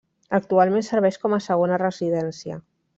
Actualment serveix com a segona residència.